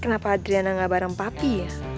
kenapa adriana nggak bareng papi ya